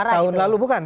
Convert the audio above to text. tahun lalu bukan